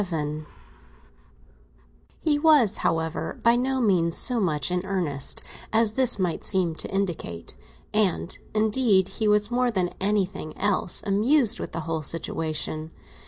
VII HE was, however, by no means so much in earnest as this might seem to indicate; and, indeed, he was more than anything else amused with the whole situation.